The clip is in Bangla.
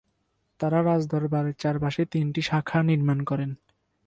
তারা রাজদরবারের চারপাশে তিনটি শাখা নির্মাণ করেন।